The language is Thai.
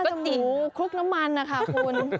น่าจะหมูคลุกน้ำมันค่ะคุณ